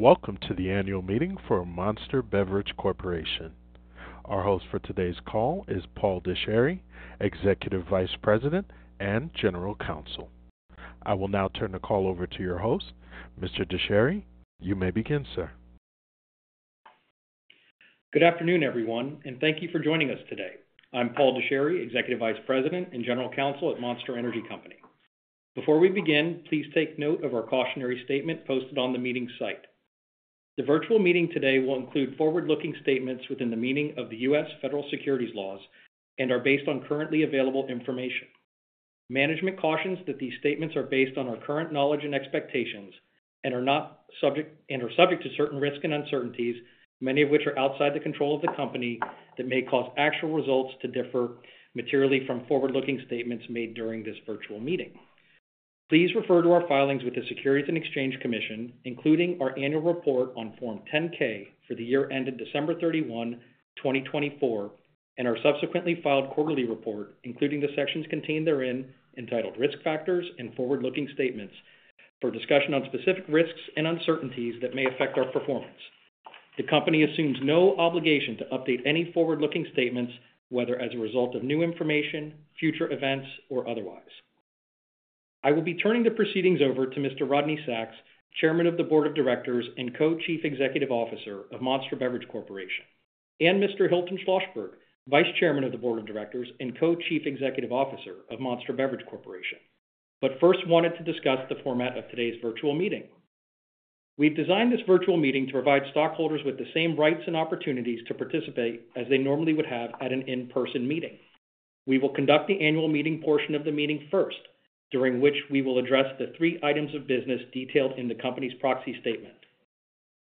Welcome to the annual meeting for Monster Beverage Corporation. Our host for today's call is Paul Dechary, Executive Vice President and General Counsel. I will now turn the call over to your host, Mr. Dechary. You may begin, sir. Good afternoon, everyone, and thank you for joining us today. I'm Paul Dechary, Executive Vice President and General Counsel at Monster Energy Company. Before we begin, please take note of our cautionary statement posted on the meeting site. The virtual meeting today will include forward-looking statements within the meaning of the U.S. federal securities laws and are based on currently available information. Management cautions that these statements are based on our current knowledge and expectations and are subject to certain risks and uncertainties, many of which are outside the control of the company, that may cause actual results to differ materially from forward-looking statements made during this virtual meeting. Please refer to our filings with the Securities and Exchange Commission, including our annual report on Form 10-K for the year ended December 31, 2024, and our subsequently filed quarterly report, including the sections contained therein entitled "Risk Factors" and "Forward-Looking Statements", for discussion on specific risks and uncertainties that may affect our performance. The company assumes no obligation to update any forward-looking statements, whether as a result of new information, future events, or otherwise. I will be turning the proceedings over to Mr. Rodney Sacks, Chairman of the Board of Directors and Co-Chief Executive Officer of Monster Beverage Corporation, and Mr. Hilton Schlosberg, Vice Chairman of the Board of Directors and Co-Chief Executive Officer of Monster Beverage Corporation, but first wanted to discuss the format of today's virtual meeting. We've designed this virtual meeting to provide stockholders with the same rights and opportunities to participate as they normally would have at an in-person meeting. We will conduct the annual meeting portion of the meeting first, during which we will address the three items of business detailed in the company's proxy statement.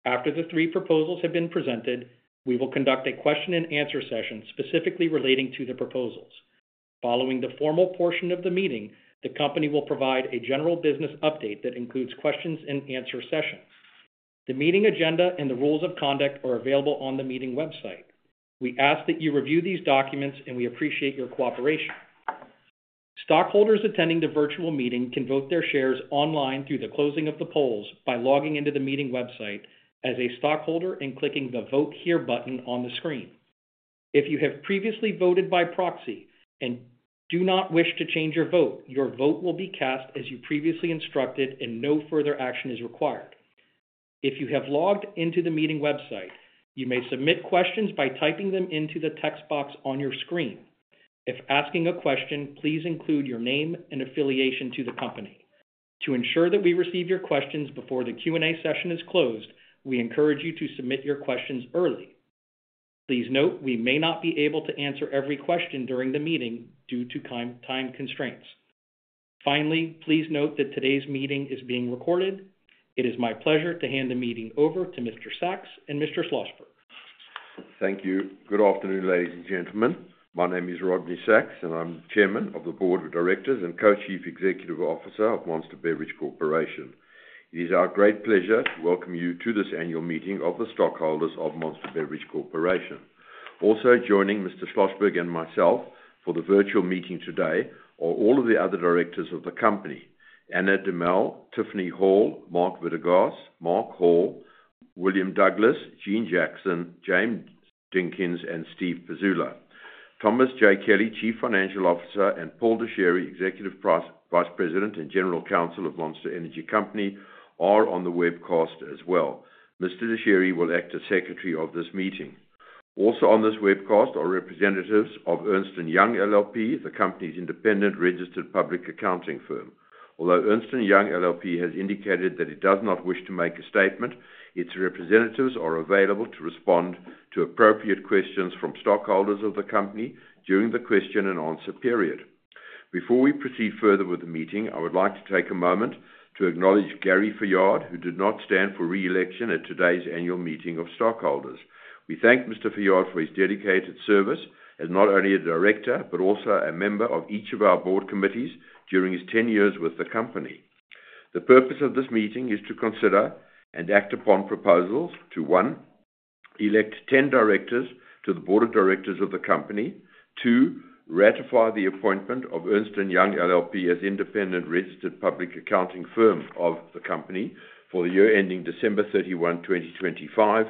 After the three proposals have been presented, we will conduct a question-and-answer session specifically relating to the proposals. Following the formal portion of the meeting, the company will provide a general business update that includes questions-and-answer sessions. The meeting agenda and the rules of conduct are available on the meeting website. We ask that you review these documents, and we appreciate your cooperation. Stockholders attending the virtual meeting can vote their shares online through the closing of the polls by logging into the meeting website as a stockholder and clicking the Vote Here button on the screen. If you have previously voted by proxy and do not wish to change your vote, your vote will be cast as you previously instructed, and no further action is required. If you have logged into the meeting website, you may submit questions by typing them into the text box on your screen. If asking a question, please include your name and affiliation to the company. To ensure that we receive your questions before the Q&A session is closed, we encourage you to submit your questions early. Please note we may not be able to answer every question during the meeting due to time constraints. Finally, please note that today's meeting is being recorded. It is my pleasure to hand the meeting over to Mr. Sacks and Mr. Schlosberg. Thank you. Good afternoon, ladies and gentlemen. My name is Rodney Sacks, and I'm Chairman of the Board of Directors and Co-Chief Executive Officer of Monster Beverage Corporation. It is our great pleasure to welcome you to this annual meeting of the stockholders of Monster Beverage Corporation. Also joining Mr. Schlosberg and myself for the virtual meeting today are all of the other directors of the company: Anna DeMelle, Tiffany Hall, Mark Vitegas, Mark Hall, William Douglas, Gene Jackson, James Jenkins, and Steve Pezzulla. Thomas J. Kelly, Chief Financial Officer, and Paul Dechary, Executive Vice President and General Counsel of Monster Energy Company, are on the webcast as well. Mr. Dechary will act as secretary of this meeting. Also on this webcast are representatives of Ernst & Young LLP, the company's independent registered public accounting firm. Although Ernst & Young LLP has indicated that it does not wish to make a statement, its representatives are available to respond to appropriate questions from stockholders of the company during the question-and-answer period. Before we proceed further with the meeting, I would like to take a moment to acknowledge Gary Fayard, who did not stand for re-election at today's annual meeting of stockholders. We thank Mr. Fayard for his dedicated service as not only a director but also a member of each of our board committees during his ten years with the company. The purpose of this meeting is to consider and act upon proposals to: one, elect ten directors to the board of directors of the company. Two, ratify the appointment of Ernst & Young LLP as independent registered public accounting firm of the company for the year ending December 31, 2025.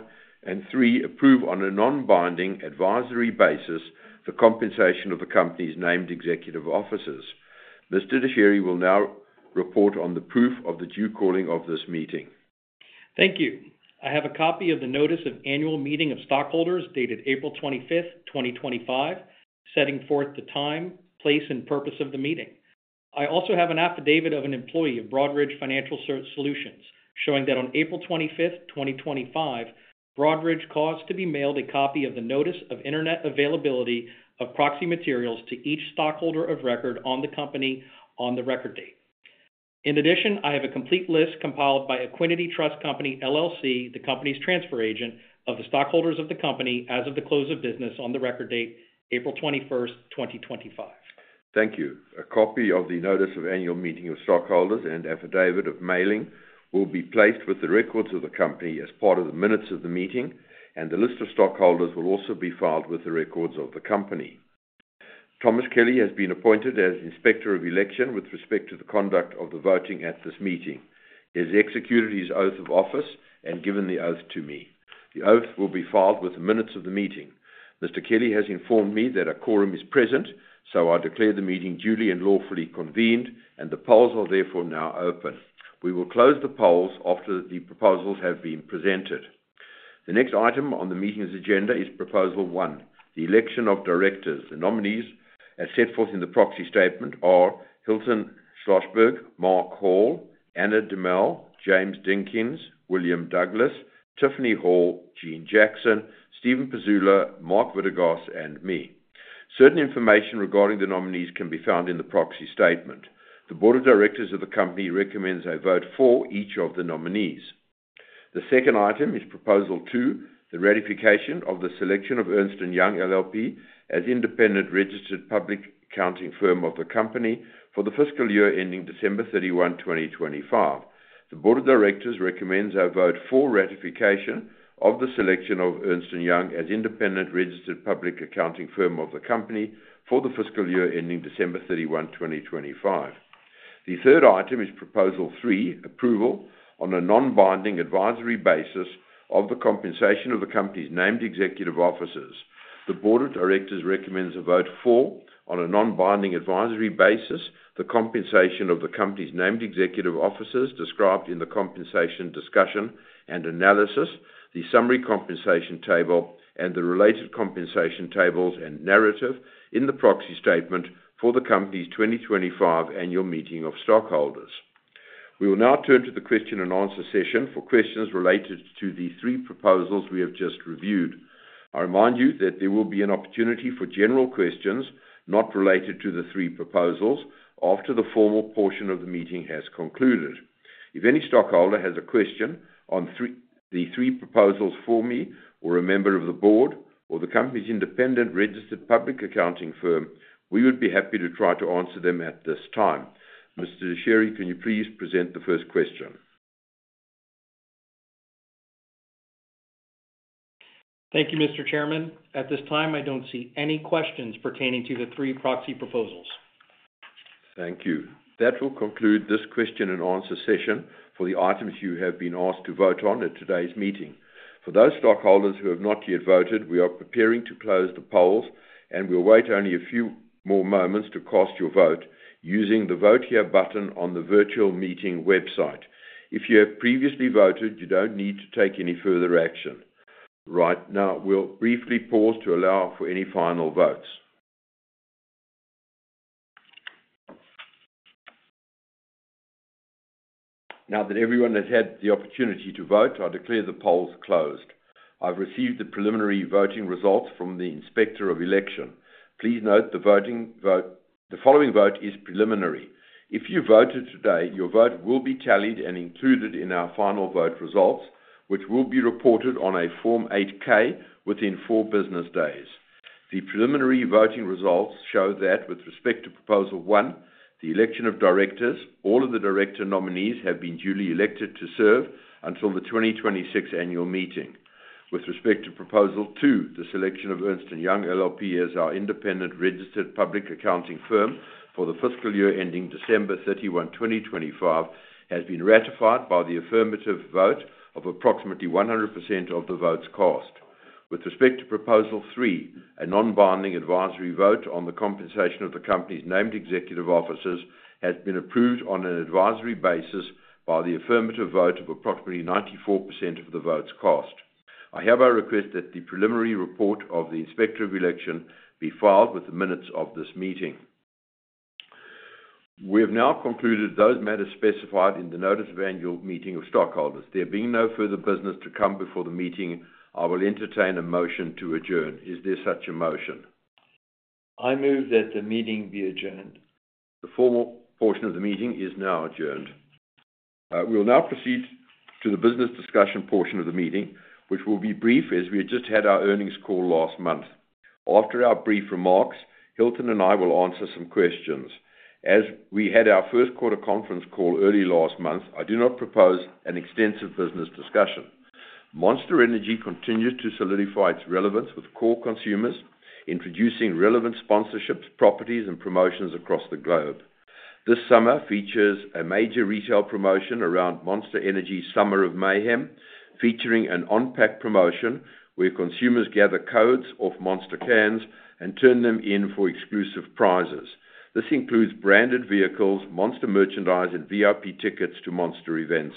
Three, approve on a non-binding advisory basis the compensation of the company's named executive officers. Mr. Dechary will now report on the proof of the due calling of this meeting. Thank you. I have a copy of the notice of annual meeting of stockholders dated April 25, 2025, setting forth the time, place, and purpose of the meeting. I also have an affidavit of an employee of Broadridge Financial Solutions showing that on April 25, 2025, Broadridge caused to be mailed a copy of the notice of internet availability of proxy materials to each stockholder of record on the company on the record date. In addition, I have a complete list compiled by Equiniti Trust Company, the company's transfer agent, of the stockholders of the company as of the close of business on the record date, April 21, 2025. Thank you. A copy of the notice of annual meeting of stockholders and affidavit of mailing will be placed with the records of the company as part of the minutes of the meeting, and the list of stockholders will also be filed with the records of the company. Thomas Kelly has been appointed as Inspector of Election with respect to the conduct of the voting at this meeting. He has executed his oath of office and given the oath to me. The oath will be filed with the minutes of the meeting. Mr. Kelly has informed me that a quorum is present, so I declare the meeting duly and lawfully convened, and the polls are therefore now open. We will close the polls after the proposals have been presented. The next item on the meeting's agenda is Proposal One, the election of directors. The nominees, as set forth in the proxy statement, are Hilton Schlosberg, Mark Hall, Anna DeMelle, James Jenkins, William Douglas, Tiffany Hall, Gene Jackson, Stephen Pezzulla, Mark Vitegas, and me. Certain information regarding the nominees can be found in the proxy statement. The board of directors of the company recommends I vote for each of the nominees. The second item is Proposal Two, the ratification of the selection of Ernst & Young LLP as independent registered public accounting firm of the company for the fiscal year ending December 31, 2025. The board of directors recommends I vote for ratification of the selection of Ernst & Young as independent registered public accounting firm of the company for the fiscal year ending December 31, 2025. The third item is Proposal Three, approval on a non-binding advisory basis of the compensation of the company's named executive officers. The board of directors recommends I vote for, on a non-binding advisory basis, the compensation of the company's named executive officers described in the compensation discussion and analysis, the summary compensation table, and the related compensation tables and narrative in the proxy statement for the company's 2025 annual meeting of stockholders. We will now turn to the question-and-answer session for questions related to the three proposals we have just reviewed. I remind you that there will be an opportunity for general questions not related to the three proposals after the formal portion of the meeting has concluded. If any stockholder has a question on the three proposals for me or a member of the board or the company's independent registered public accounting firm, we would be happy to try to answer them at this time. Mr. Dechary, can you please present the first question? Thank you, Mr. Chairman. At this time, I don't see any questions pertaining to the three proxy proposals. Thank you. That will conclude this question-and-answer session for the items you have been asked to vote on at today's meeting. For those stockholders who have not yet voted, we are preparing to close the polls, and we'll wait only a few more moments to cast your vote using the Vote Here button on the virtual meeting website. If you have previously voted, you don't need to take any further action. Right now, we'll briefly pause to allow for any final votes. Now that everyone has had the opportunity to vote, I declare the polls closed. I've received the preliminary voting results from the Inspector of Election. Please note the following vote is preliminary. If you voted today, your vote will be tallied and included in our final vote results, which will be reported on a Form 8-K within four business days. The preliminary voting results show that with respect to Proposal One, the election of directors, all of the director nominees have been duly elected to serve until the 2026 annual meeting. With respect to Proposal Two, the selection of Ernst & Young LLP as our independent registered public accounting firm for the fiscal year ending December 31, 2025, has been ratified by the affirmative vote of approximately 100% of the votes cast. With respect to Proposal Three, a non-binding advisory vote on the compensation of the company's named executive officers has been approved on an advisory basis by the affirmative vote of approximately 94% of the votes cast. I hereby request that the preliminary report of the Inspector of Election be filed with the minutes of this meeting. We have now concluded those matters specified in the notice of annual meeting of stockholders. There being no further business to come before the meeting, I will entertain a motion to adjourn. Is there such a motion? I move that the meeting be adjourned. The formal portion of the meeting is now adjourned. We will now proceed to the business discussion portion of the meeting, which will be brief, as we had just had our earnings call last month. After our brief remarks, Hilton and I will answer some questions. As we had our first quarter conference call early last month, I do not propose an extensive business discussion. Monster Energy continues to solidify its relevance with core consumers, introducing relevant sponsorships, properties, and promotions across the globe. This summer features a major retail promotion around Monster Energy's Summer of Mayhem, featuring an on-pack promotion where consumers gather codes off Monster cans and turn them in for exclusive prizes. This includes branded vehicles, Monster merchandise, and VIP tickets to Monster events.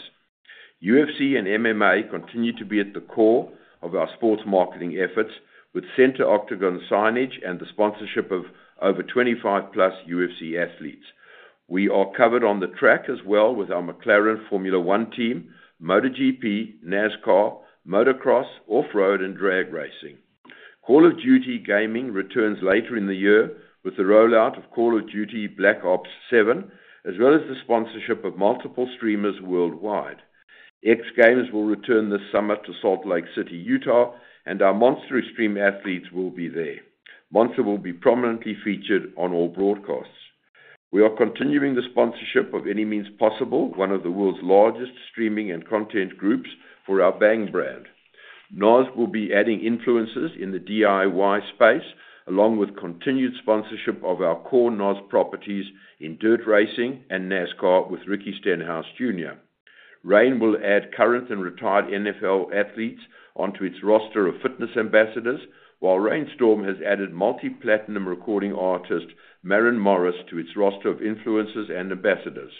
UFC and MMA continue to be at the core of our sports marketing efforts, with Center Octagon signage and the sponsorship of over 25-plus UFC athletes. We are covered on the track as well with our McLaren Formula One team, MotoGP, NASCAR, motocross, off-road, and drag racing. Call of Duty gaming returns later in the year with the rollout of Call of Duty Black Ops 7, as well as the sponsorship of multiple streamers worldwide. X Games will return this summer to Salt Lake City, Utah, and our Monster Extreme athletes will be there. Monster will be prominently featured on all broadcasts. We are continuing the sponsorship of Any Means Possible, one of the world's largest streaming and content groups, for our Bang brand. NOS will be adding influencers in the DIY space, along with continued sponsorship of our core NOS properties in Dirt Racing and NASCAR with Ricky Stenhouse Jr. Rain will add current and retired NFL athletes onto its roster of fitness ambassadors, while Rainstorm has added multi-platinum recording artist Maren Morris to its roster of influencers and ambassadors.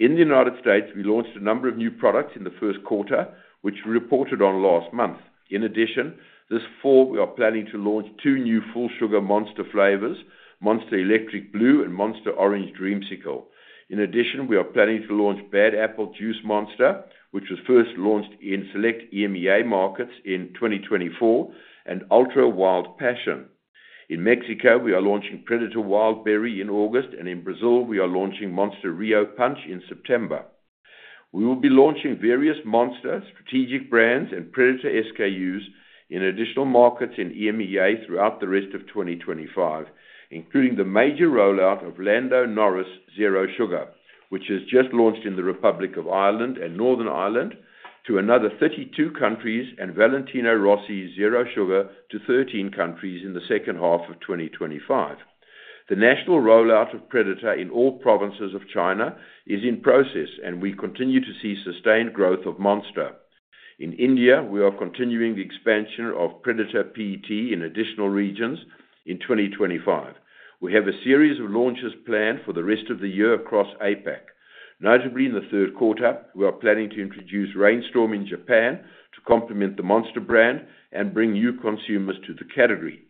In the United States, we launched a number of new products in the first quarter, which we reported on last month. In addition, this fall, we are planning to launch two new full-sugar Monster flavors: Monster Electric Blue and Monster Orange Dreamcycle. In addition, we are planning to launch Bad Apple Juice Monster, which was first launched in select EMEA markets in 2024, and Ultra Wild Passion. In Mexico, we are launching Predator Wildberry in August, and in Brazil, we are launching Monster Rio Punch in September. We will be launching various Monster, strategic brands, and Predator SKUs in additional markets in EMEA throughout the rest of 2025, including the major rollout of Lando Norris Zero Sugar, which has just launched in the Republic of Ireland and Northern Ireland, to another 32 countries, and Valentino Rossi Zero Sugar to 13 countries in the second half of 2025. The national rollout of Predator in all provinces of China is in process, and we continue to see sustained growth of Monster. In India, we are continuing the expansion of Predator PET in additional regions in 2025. We have a series of launches planned for the rest of the year across APAC. Notably, in the third quarter, we are planning to introduce Rainstorm in Japan to complement the Monster brand and bring new consumers to the category.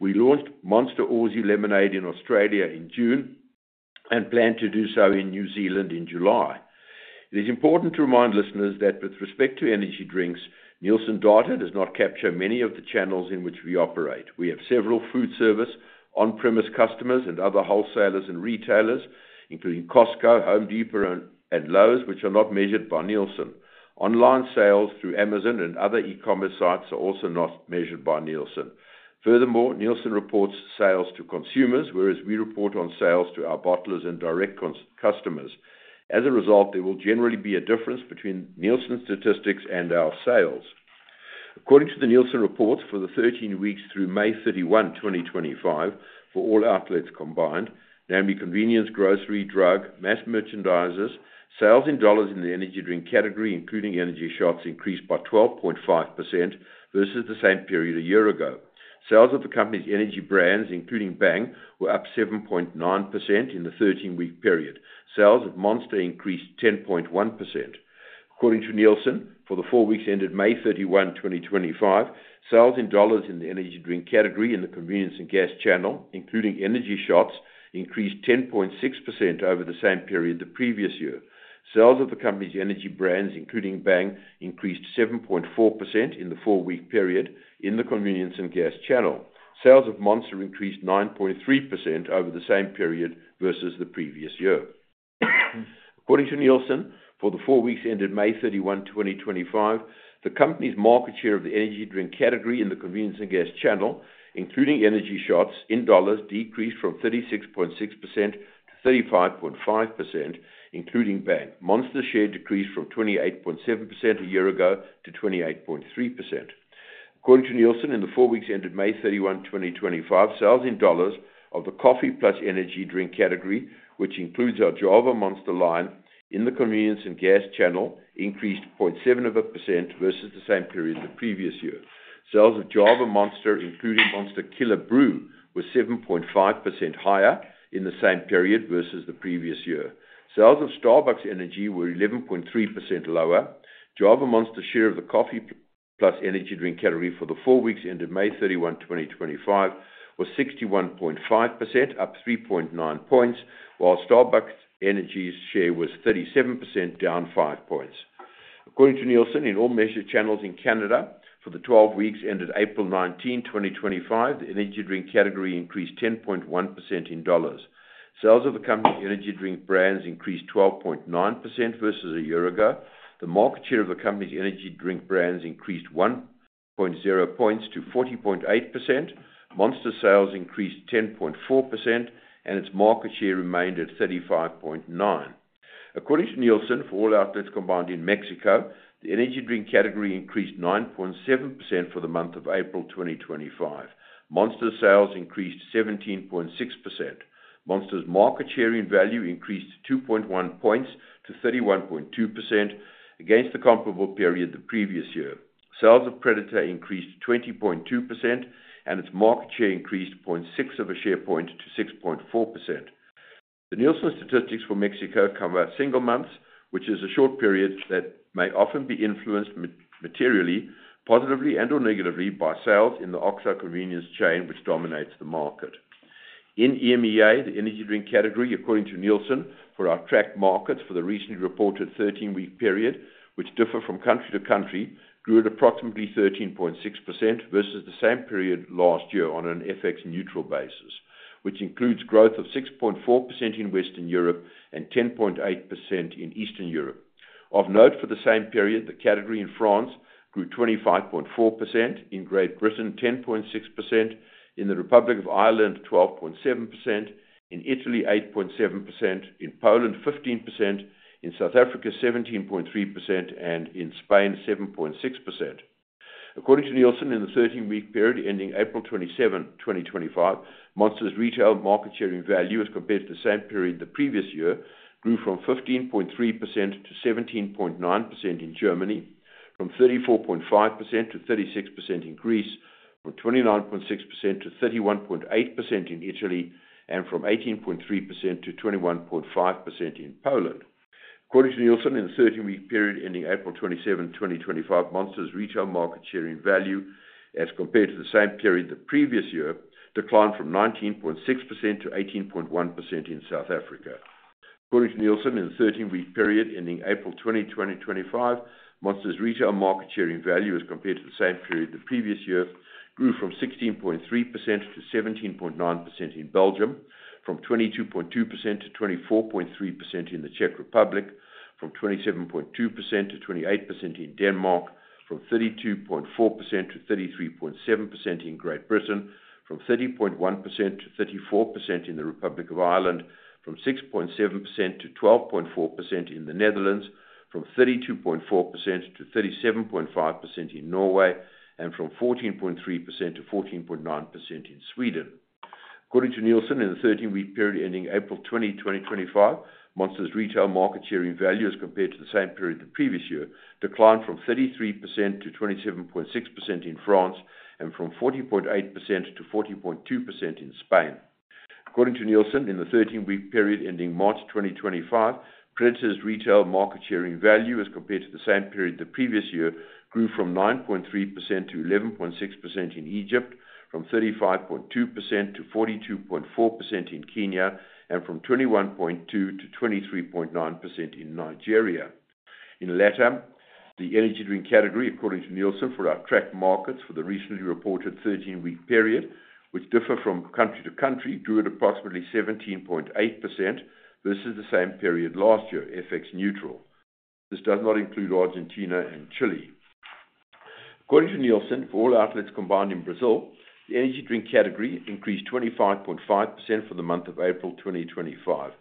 We launched Monster Aussie Lemonade in Australia in June and plan to do so in New Zealand in July. It is important to remind listeners that with respect to energy drinks, Nielsen data does not capture many of the channels in which we operate. We have several food service, on-premise customers, and other wholesalers and retailers, including Costco, Home Depot, and Lowe's, which are not measured by Nielsen. Online sales through Amazon and other e-commerce sites are also not measured by Nielsen. Furthermore, Nielsen reports sales to consumers, whereas we report on sales to our bottlers and direct customers. As a result, there will generally be a difference between Nielsen statistics and our sales. According to the Nielsen report, for the 13 weeks through May 31, 2025, for all outlets combined, namely convenience, grocery, drug, mass merchandisers, sales in dollars in the energy drink category, including energy shots, increased by 12.5% versus the same period a year ago. Sales of the company's energy brands, including Bang, were up 7.9% in the 13-week period. Sales of Monster increased 10.1%. According to Nielsen, for the four weeks ended May 31, 2025, sales in dollars in the energy drink category in the convenience and gas channel, including energy shots, increased 10.6% over the same period the previous year. Sales of the company's energy brands, including Bang, increased 7.4% in the four-week period in the convenience and gas channel. Sales of Monster increased 9.3% over the same period versus the previous year. According to Nielsen, for the four weeks ended May 31, 2025, the company's market share of the energy drink category in the convenience and gas channel, including energy shots, in dollars decreased from 36.6% to 35.5%, including Bang. Monster's share decreased from 28.7% a year ago to 28.3%. According to Nielsen, in the four weeks ended May 31, 2025, sales in dollars of the coffee plus energy drink category, which includes our Java Monster line in the convenience and gas channel, increased 0.7% versus the same period the previous year. Sales of Java Monster, including Monster Killer Brew, were 7.5% higher in the same period versus the previous year. Sales of Starbucks Energy were 11.3% lower. Java Monster's share of the coffee plus energy drink category for the four weeks ended May 31, 2025, was 61.5%, up 3.9 percentage points, while Starbucks Energy's share was 37%, down 5 percentage points. According to Nielsen, in all measured channels in Canada, for the 12 weeks ended April 19, 2025, the energy drink category increased 10.1% in dollars. Sales of the company's energy drink brands increased 12.9% versus a year ago. The market share of the company's energy drink brands increased 1.0 percentage points to 40.8%. Monster sales increased 10.4%, and its market share remained at 35.9%. According to Nielsen, for all outlets combined in Mexico, the energy drink category increased 9.7% for the month of April 2025. Monster sales increased 17.6%. Monster's market share in value increased 2.1 percentage points to 31.2% against the comparable period the previous year. Sales of Predator increased 20.2%, and its market share increased 0.6 of a percentage point to 6.4%. The Nielsen statistics for Mexico cover single months, which is a short period that may often be influenced materially, positively, and/or negatively, by sales in the Oxxo convenience chain, which dominates the market. In EMEA, the energy drink category, according to Nielsen, for our tracked markets for the recently reported 13-week period, which differ from country to country, grew at approximately 13.6% versus the same period last year on an FX-neutral basis, which includes growth of 6.4% in Western Europe and 10.8% in Eastern Europe. Of note, for the same period, the category in France grew 25.4%, in Great Britain 10.6%, in the Republic of Ireland 12.7%, in Italy 8.7%, in Poland 15%, in South Africa 17.3%, and in Spain 7.6%. According to Nielsen, in the 13-week period ending April 27, 2025, Monster's retail market share in value, as compared to the same period the previous year, grew from 15.3% to 17.9% in Germany, from 34.5% to 36% in Greece, from 29.6% to 31.8% in Italy, and from 18.3% to 21.5% in Poland. According to Nielsen, in the 13-week period ending April 27, 2025, Monster's retail market share in value, as compared to the same period the previous year, declined from 19.6% to 18.1% in South Africa. According to Nielsen, in the 13-week period ending April 20, 2025, Monster's retail market share in value, as compared to the same period the previous year, grew from 16.3% to 17.9% in Belgium, from 22.2% to 24.3% in the Czech Republic, from 27.2% to 28% in Denmark, from 32.4% to 33.7% in Great Britain, from 30.1% to 34% in the Republic of Ireland, from 6.7% to 12.4% in the Netherlands, from 32.4% to 37.5% in Norway, and from 14.3% to 14.9% in Sweden. According to Nielsen, in the 13-week period ending April 20, 2025, Monster's retail market share in value, as compared to the same period the previous year, declined from 33% to 27.6% in France and from 40.8% to 40.2% in Spain. According to Nielsen, in the 13-week period ending March 2025, Predator's retail market share in value, as compared to the same period the previous year, grew from 9.3% to 11.6% in Egypt, from 35.2% to 42.4% in Kenya, and from 21.2% to 23.9% in Nigeria. In the latter, the energy drink category, according to Nielsen, for our tracked markets for the recently reported 13-week period, which differ from country to country, grew at approximately 17.8% versus the same period last year, FX neutral. This does not include Argentina and Chile. According to Nielsen, for all outlets combined in Brazil, the energy drink category increased 25.5% for the month of April 2025.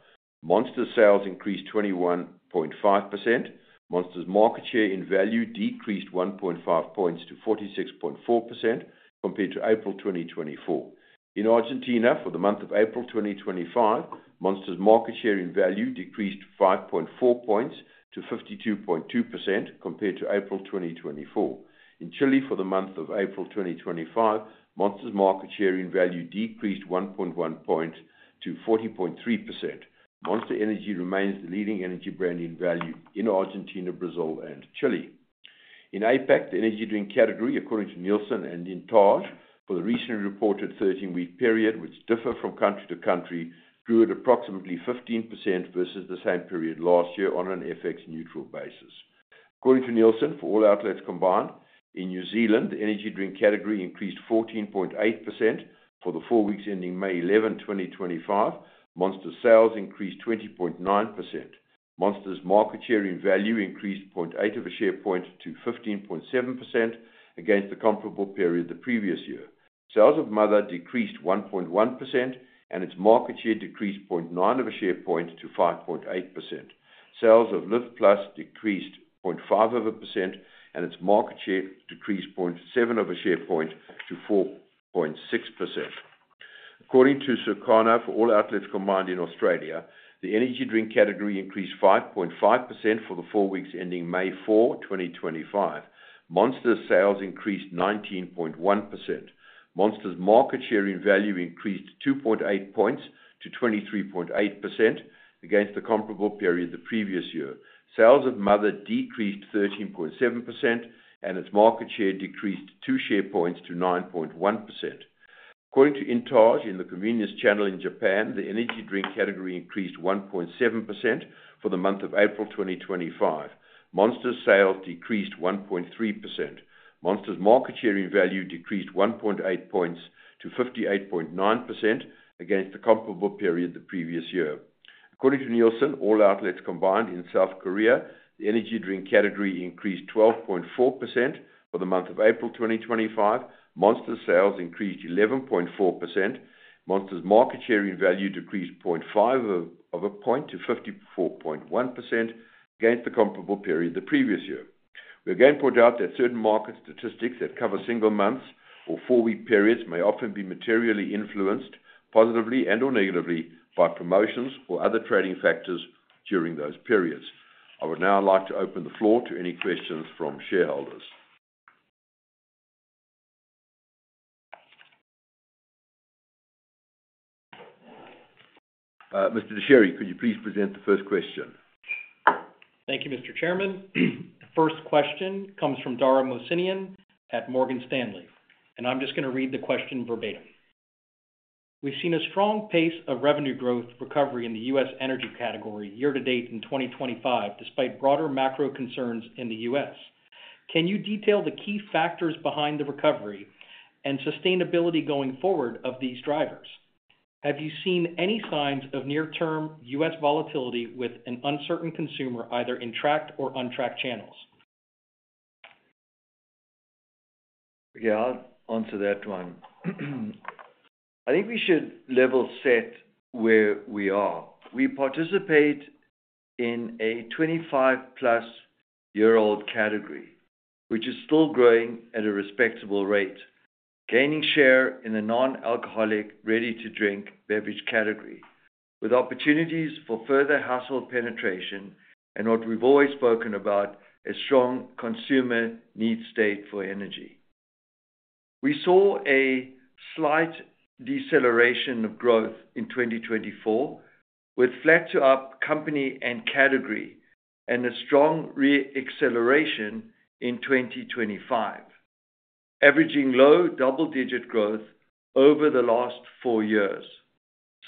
Monster sales increased 21.5%. Monster's market share in value decreased 1.5 percentage points to 46.4% compared to April 2024. In Argentina, for the month of April 2025, Monster's market share in value decreased 5.4 percentage points to 52.2% compared to April 2024. In Chile, for the month of April 2025, Monster's market share in value decreased 1.1 percentage points to 40.3%. Monster Energy remains the leading energy brand in value in Argentina, Brazil, and Chile. In APAC, the energy drink category, according to Nielsen and Intage for the recently reported 13-week period, which differ from country to country, grew at approximately 15% versus the same period last year on an FX neutral basis. According to Nielsen, for all outlets combined, in New Zealand, the energy drink category increased 14.8% for the four weeks ending May 11, 2025. Monster sales increased 20.9%. Monster's market share in value increased 0.8 percentage points to 15.7% against the comparable period the previous year. Sales of Mother decreased 1.1%, and its market share decreased 0.9 percentage points to 5.8%. Sales of Live Plus decreased 0.5%, and its market share decreased 0.7 percentage points to 4.6%. According to Circana, for all outlets combined in Australia, the energy drink category increased 5.5% for the four weeks ending May 4, 2025. Monster's sales increased 19.1%. Monster's market share in value increased 2.8 percentage points to 23.8% against the comparable period the previous year. Sales of Mother decreased 13.7%, and its market share decreased 2 percentage points to 9.1%. According to Intage, in the convenience channel in Japan, the energy drink category increased 1.7% for the month of April 2025. Monster's sales decreased 1.3%. Monster's market share in value decreased 1.8 percentage points to 58.9% against the comparable period the previous year. According to Nielsen, all outlets combined in South Korea, the energy drink category increased 12.4% for the month of April 2025. Monster's sales increased 11.4%. Monster's market share in value decreased 0.5 of a point to 54.1% against the comparable period the previous year. We again point out that certain market statistics that cover single months or four-week periods may often be materially influenced positively and/or negatively by promotions or other trading factors during those periods. I would now like to open the floor to any questions from shareholders. Mr. Dechary, could you please present the first question? Thank you, Mr. Chairman. The first question comes from Dara Mohsenian at Morgan Stanley, and I'm just going to read the question verbatim. We've seen a strong pace of revenue growth recovery in the U.S. energy category year to date in 2025, despite broader macro concerns in the U.S. Can you detail the key factors behind the recovery and sustainability going forward of these drivers? Have you seen any signs of near-term U.S. volatility with an uncertain consumer, either in tracked or untracked channels? Yeah, I'll answer that one. I think we should level set where we are. We participate i n of growth in 2024, with flat-to-up company and category and a strong re-acceleration in 2025, averaging low double-digit growth over the last four years.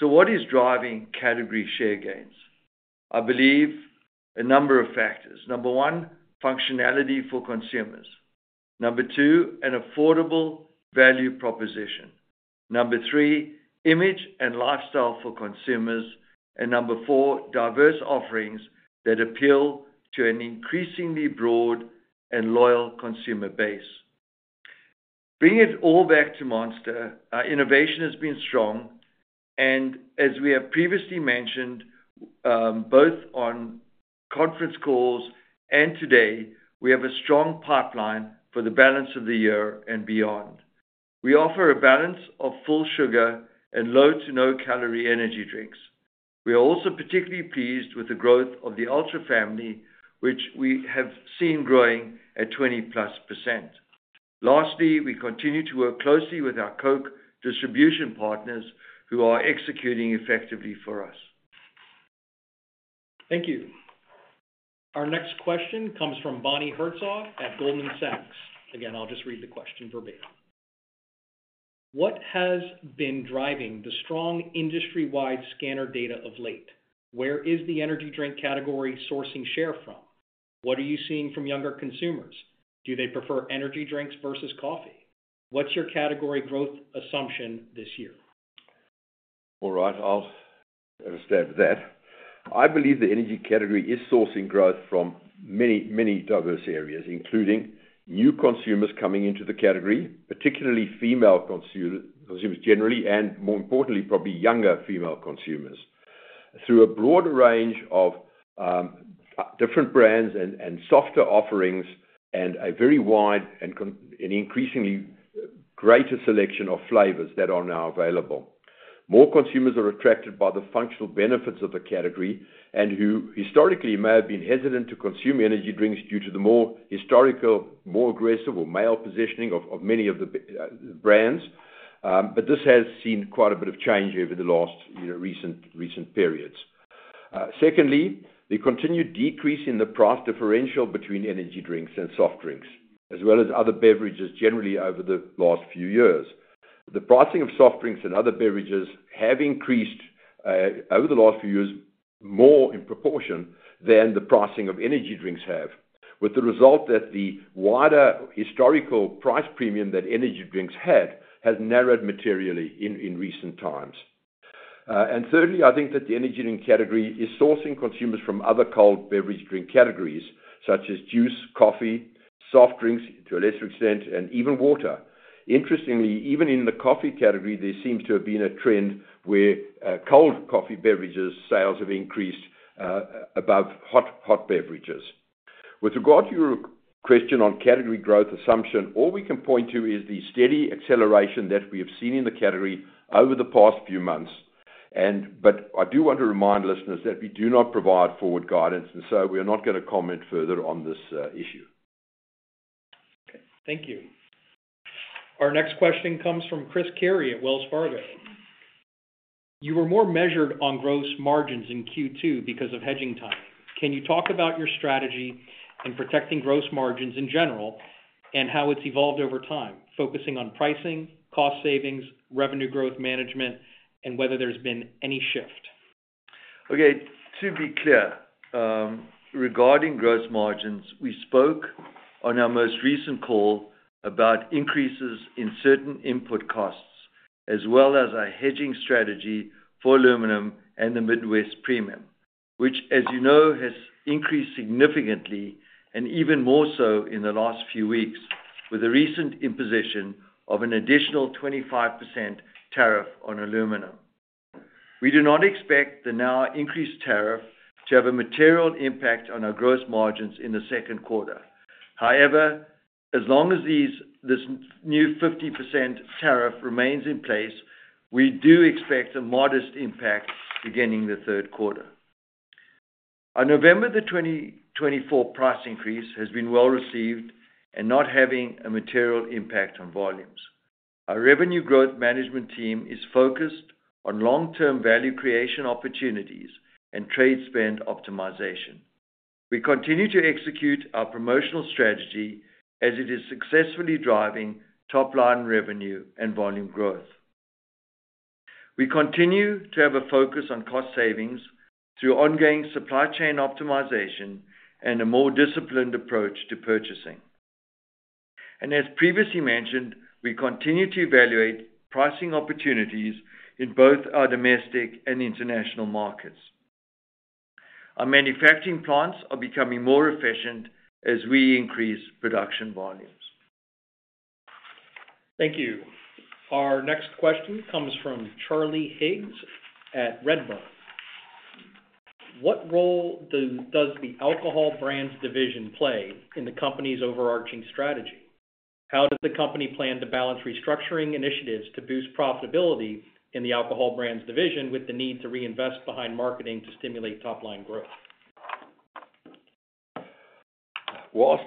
What is driving category share gains? I believe a number of factors. Number one, functionality for consumers. Number two, an affordable value proposition. Number three, image and lifestyle for consumers. Number four, diverse offerings that appeal to an increasingly broad and loyal consumer base. Bringing it all back to Monster, our innovation has been strong. As we have previously mentioned, both on conference calls and today, we have a strong pipeline for the balance of the year and beyond. We offer a balance of full sugar and low to no-calorie energy drinks. We are also particularly pleased with the growth of the Ultra family, which we have seen growing at 20% plus. Lastly, we continue to work closely with our Coke distribution partners, who are executing effectively for us. Thank you. Our next question comes from Bonnie Herzog at Goldman Sachs. Again, I'll just read the question verbatim. What has been driving the strong industry-wide scanner data of late? Where is the energy drink category sourcing share from? What are you seeing from younger consumers? Do they prefer energy drinks versus coffee? What's your category growth assumption this year? All right, I'll understand that. I believe the energy category is sourcing growth from many, many diverse areas, including new consumers coming into the category, particularly female consumers generally, and more importantly, probably younger female consumers, through a broad range of different brands and softer offerings and a very wide and increasingly greater selection of flavors that are now available. More consumers are attracted by the functional benefits of the category and who historically may have been hesitant to consume energy drinks due to the more historical, more aggressive, male positioning of many of the brands. This has seen quite a bit of change over the last recent periods. Secondly, the continued decrease in the price differential between energy drinks and soft drinks, as well as other beverages, generally over the last few years. The pricing of soft drinks and other beverages have increased over the last few years more in proportion than the pricing of energy drinks have, with the result that the wider historical price premium that energy drinks had has narrowed materially in recent times. Thirdly, I think that the energy drink category is sourcing consumers from other cold beverage drink categories, such as juice, coffee, soft drinks to a lesser extent, and even water. Interestingly, even in the coffee category, there seems to have been a trend where cold coffee beverages' sales have increased above hot beverages. With regard to your question on category growth assumption, all we can point to is the steady acceleration that we have seen in the category over the past few months. I do want to remind listeners that we do not provide forward guidance, and so we are not going to comment further on this issue. Okay, thank you. Our next question comes from Chris Carey at Wells Fargo. You were more measured on gross margins in Q2 because of hedging timing. Can you talk about your strategy in protecting gross margins in general and how it's evolved over time, focusing on pricing, cost savings, revenue growth management, and whether there's been any shift? Okay, to be clear, regarding gross margins, we spoke on our most recent call about increases in certain input costs, as well as our hedging strategy for aluminum and the Midwest premium, which, as you know, has increased significantly and even more so in the last few weeks, with a recent imposition of an additional 25% tariff on aluminum. We do not expect the now increased tariff to have a material impact on our gross margins in the second quarter. However, as long as this new 50% tariff remains in place, we do expect a modest impact beginning the third quarter. Our November 2024 price increase has been well received and not having a material impact on volumes. Our revenue growth management team is focused on long-term value creation opportunities and trade spend optimization. We continue to execute our promotional strategy as it is successfully driving top-line revenue and volume growth. We continue to have a focus on cost savings through ongoing supply chain optimization and a more disciplined approach to purchasing. As previously mentioned, we continue to evaluate pricing opportunities in both our domestic and international markets. Our manufacturing plants are becoming more efficient as we increase production volumes. Thank you. Our next question comes from Charlie Higgs at Redbird. What role does the alcohol brands division play in the company's overarching strategy? How does the company plan to balance restructuring initiatives to boost profitability in the alcohol brands division with the need to reinvest behind marketing to stimulate top-line growth? Whilst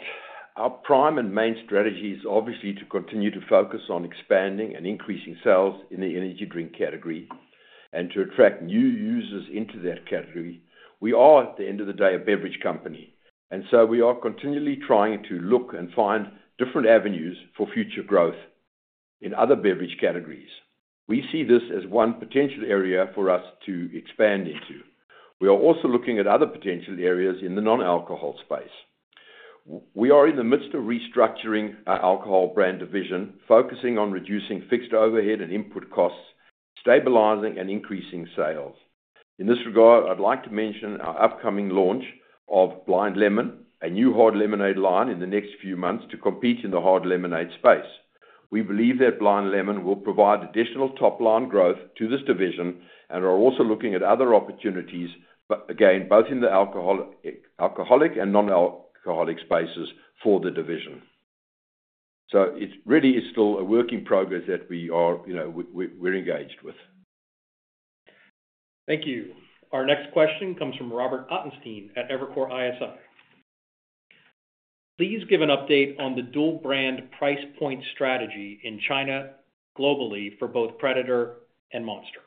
our prime and main strategy is obviously to continue to focus on expanding and increasing sales in the energy drink category and to attract new users into that category, we are, at the end of the day, a beverage company. We are continually trying to look and find different avenues for future growth in other beverage categories. We see this as one potential area for us to expand into. We are also looking at other potential areas in the non-alcohol space. We are in the midst of restructuring our alcohol brand division, focusing on reducing fixed overhead and input costs, stabilizing, and increasing sales. In this regard, I'd like to mention our upcoming launch of Blind Lemon, a new hard lemonade line, in the next few months to compete in the hard lemonade space. We believe that Blind Lemon will provide additional top-line growth to this division and are also looking at other opportunities, again, both in the alcoholic and non-alcoholic spaces for the division. It really is still a work in progress that we are engaged with. Thank you. Our next question comes from Robert Ottenstein at Evercore ISI. Please give an update on the dual-brand price point strategy in China globally for both Predator and Monster.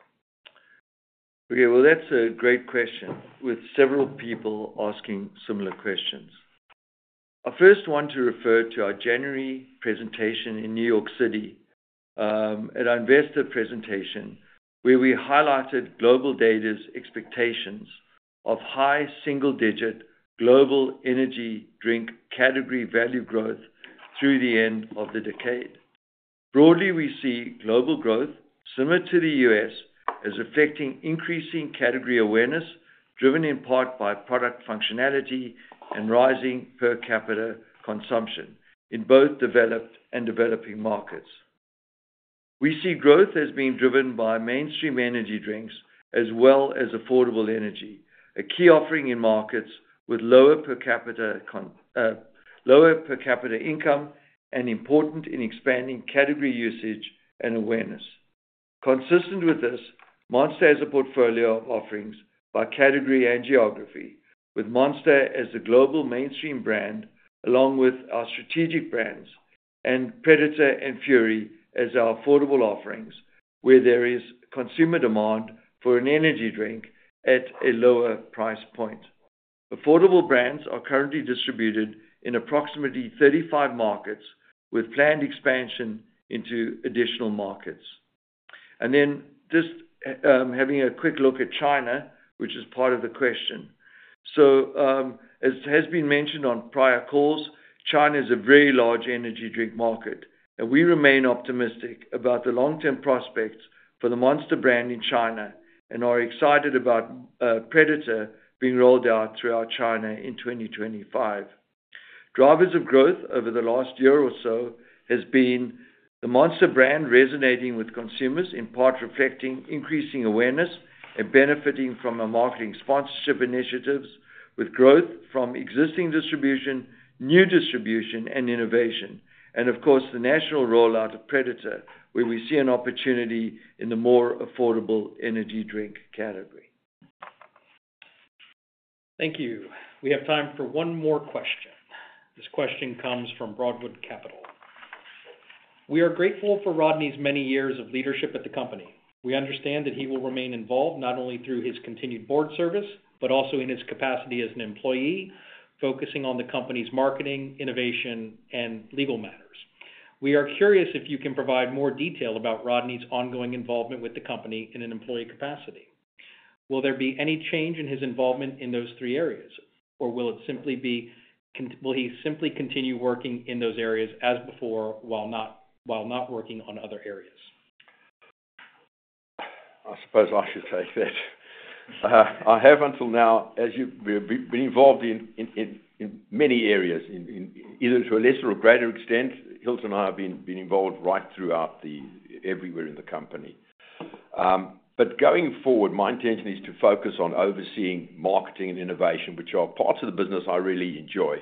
Okay, that's a great question, with several people asking similar questions. I first want to refer to our January presentation in New York City at our Investor Presentation, where we highlighted global data's expectations of high single-digit global energy drink category value growth through the end of the decade. Broadly, we see global growth, similar to the U.S., as reflecting increasing category awareness, driven in part by product functionality and rising per capita consumption in both developed and developing markets. We see growth as being driven by mainstream energy drinks as well as affordable energy, a key offering in markets with lower per capita income and important in expanding category usage and awareness. Consistent with this, Monster has a portfolio of offerings by category and geography, with Monster as the global mainstream brand, along with our strategic brands, and Predator and Fury as our affordable offerings, where there is consumer demand for an energy drink at a lower price point. Affordable brands are currently distributed in approximately 35 markets, with planned expansion into additional markets. Just having a quick look at China, which is part of the question. As has been mentioned on prior calls, China is a very large energy drink market, and we remain optimistic about the long-term prospects for the Monster brand in China and are excited about Predator being rolled out throughout China in 2025. Drivers of growth over the last year or so have been the Monster brand resonating with consumers, in part reflecting increasing awareness and benefiting from our marketing sponsorship initiatives, with growth from existing distribution, new distribution, and innovation. Of course, the national rollout of Predator, where we see an opportunity in the more affordable energy drink category. Thank you. We have time for one more question. This question comes from Broadwood Capital. We are grateful for Rodney's many years of leadership at the company. We understand that he will remain involved not only through his continued board service but also in his capacity as an employee, focusing on the company's marketing, innovation, and legal matters. We are curious if you can provide more detail about Rodney's ongoing involvement with the company in an employee capacity. Will there be any change in his involvement in those three areas, or will he simply continue working in those areas as before while not working on other areas? I suppose I should say that I have until now, as you've been involved in many areas, either to a lesser or greater extent. Hilton and I have been involved right throughout everywhere in the company. Going forward, my intention is to focus on overseeing marketing and innovation, which are parts of the business I really enjoy.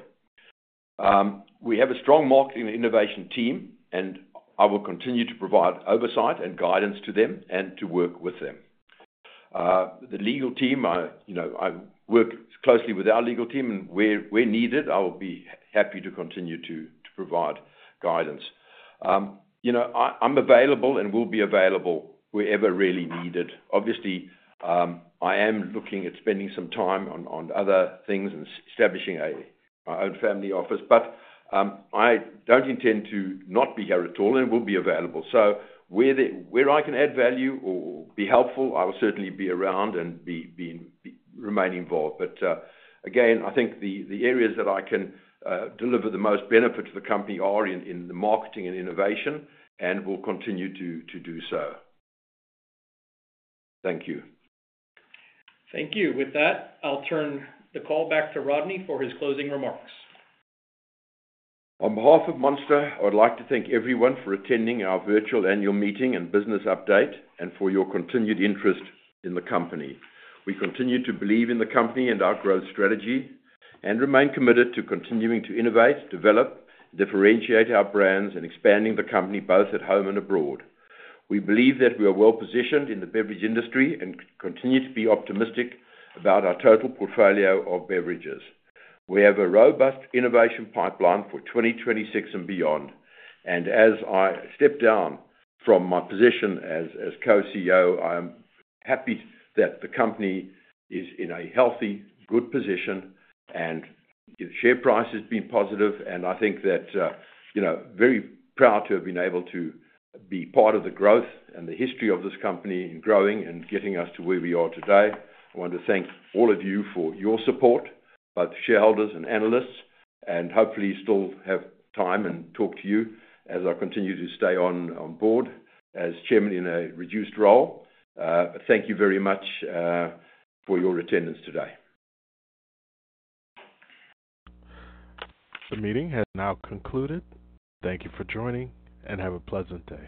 We have a strong marketing and innovation team, and I will continue to provide oversight and guidance to them and to work with them. The legal team, I work closely with our legal team, and where needed, I will be happy to continue to provide guidance. I'm available and will be available wherever really needed. Obviously, I am looking at spending some time on other things and establishing my own family office, but I don't intend to not be here at all, and I will be available. Where I can add value or be helpful, I will certainly be around and remain involved. Again, I think the areas that I can deliver the most benefit to the company are in the marketing and innovation and will continue to do so. Thank you. Thank you. With that, I'll turn the call back to Rodney for his closing remarks. On behalf of Monster, I would like to thank everyone for attending our virtual annual meeting and business update and for your continued interest in the company. We continue to believe in the company and our growth strategy and remain committed to continuing to innovate, develop, differentiate our brands, and expand the company both at home and abroad. We believe that we are well positioned in the beverage industry and continue to be optimistic about our total portfolio of beverages. We have a robust innovation pipeline for 2026 and beyond. As I step down from my position as co-CEO, I am happy that the company is in a healthy, good position, and the share price has been positive. I think that I'm very proud to have been able to be part of the growth and the history of this company and growing and getting us to where we are today. I want to thank all of you for your support, both shareholders and analysts, and hopefully still have time and talk to you as I continue to stay on board as Chairman in a reduced role. Thank you very much for your attendance today. The meeting has now concluded. Thank you for joining, and have a pleasant day.